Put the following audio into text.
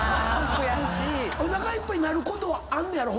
おなかいっぱいになることはあんねやろ？